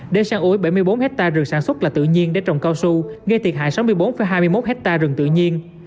để sang úy bảy mươi bốn hectare rừng sản xuất là tự nhiên để trồng cao su gây thiệt hại sáu mươi bốn hai mươi một hectare rừng tự nhiên